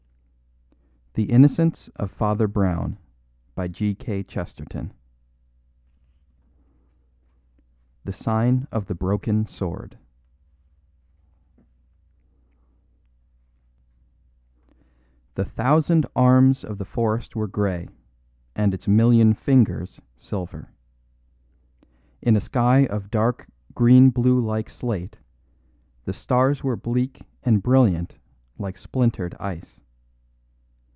But I knew that he was expecting it." The Sign of the Broken Sword The thousand arms of the forest were grey, and its million fingers silver. In a sky of dark green blue like slate the stars were bleak and brilliant like splintered ice.